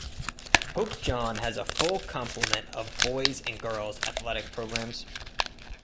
Pope John has a full complement of boys and girls athletic programs.